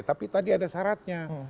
tapi tadi ada syaratnya